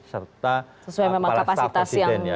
serta sesuai memang kapasitasnya pala staff posisi